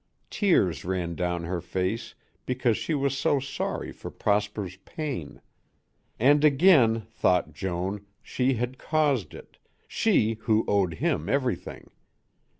Tears ran down her face because she was so sorry for Prosper's pain. And again, thought Joan, she had caused it, she who owed him everything.